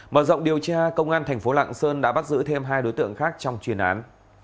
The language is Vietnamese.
mở rộng điều tra công an thành phố lạng sơn đã bắt giữ thêm hai đối tượng khác trong chuyên án